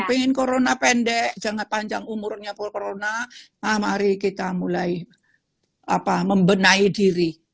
ingin corona pendek jangan panjang umurnya pol corona nah mari kita mulai apa membenahi diri